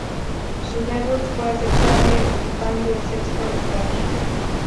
Su debut fue aceptable, ocupando el sexto lugar.